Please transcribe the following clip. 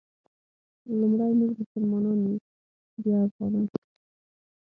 لومړی مونږ مسلمانان یو بیا افغانان.